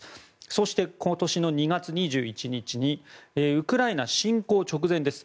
そして今年２月２１日ウクライナ侵攻直前です。